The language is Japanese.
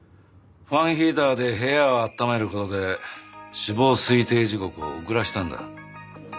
ファンヒーターで部屋を暖める事で死亡推定時刻を遅らせたんだ。